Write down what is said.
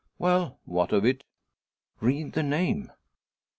"Well; what of it?" "Read the name!"